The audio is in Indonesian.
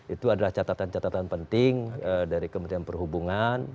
itu adalah catatan catatan penting dari kementerian perhubungan